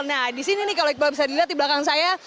nah di sini nih kalau iqbal bisa dilihat di belakang saya